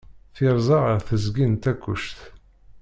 Tirza ɣer teẓgi n Takkuct.